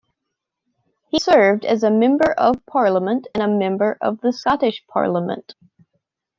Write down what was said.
He served as a Member of Parliament and a Member of the Scottish Parliament.